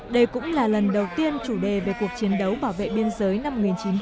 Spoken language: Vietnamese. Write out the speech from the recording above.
đây cũng là lần đầu tiên chủ đề về cuộc chiến đấu bảo vệ biên giới năm một nghìn chín trăm bảy mươi năm